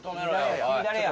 君誰や？